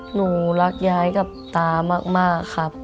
หนูรักยายกับตามากครับ